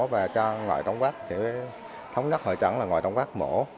và cho loại tổng quát sẽ thống nhất hội trận là ngoại tổng quát mổ